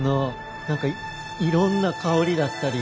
何かいろんな香りだったり。